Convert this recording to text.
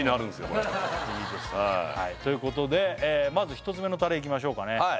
これいいですねということでまず１つ目のタレいきましょうかね